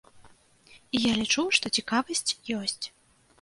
І я лічу, што цікавасць ёсць.